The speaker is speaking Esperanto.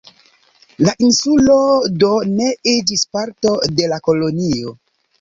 La insulo do ne iĝis parto de la la kolonio.